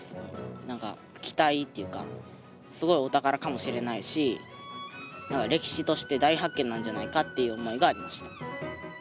なんか期待というか、すごいお宝かもしれないし、歴史として大発見なんじゃないかっていう思いがありました。